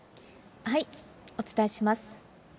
お伝えします。